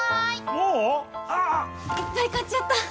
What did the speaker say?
もう⁉ああ・・・いっぱい買っちゃった！